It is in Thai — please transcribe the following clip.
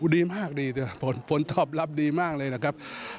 ดีมากดีแต่ผลตอบรับดีมากเลยนะครับ